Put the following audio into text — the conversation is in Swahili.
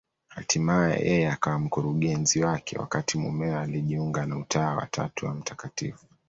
Hatimaye yeye akawa mkurugenzi wake, wakati mumewe alijiunga na Utawa wa Tatu wa Mt.